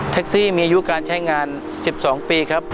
ซี่มีอายุการใช้งาน๑๒ปีครับ